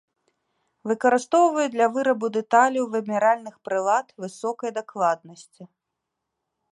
Выкарыстоўваюць для вырабу дэталяў вымяральных прылад высокай дакладнасці.